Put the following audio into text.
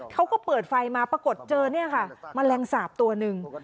เขาก็เปิดไฟมาปรากฏเจอแมลงสาปตัวหนึ่ง